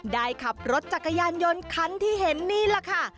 ขับรถจักรยานยนต์คันที่เห็นนี่แหละค่ะ